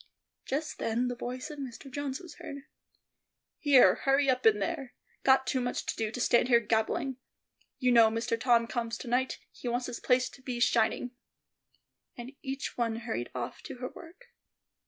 Just then the voice of Mr. Jones was heard. "Here, hurry up in there; got too much to do to stand here gabbling. You know Mister Tom comes to night; he wants this place to be shining." Each one hurried off to her work.